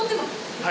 はい。